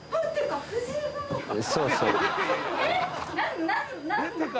そうそう。